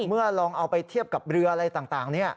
เมื่อลองเอาไปเทียบกับเรืออะไรต่าง